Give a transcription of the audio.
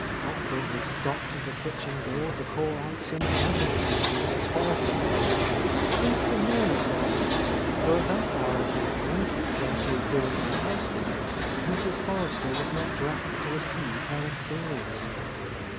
Often he stopped at the kitchen door to call out some pleasantry to Mrs. Forrester. This annoyed Niel, for at that hour of the morning, when she was doing her house work, Mrs. Forrester was not dressed to receive her inferiors.